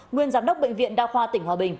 nguyên giám đốc bệnh viện đa khoa tỉnh hòa bình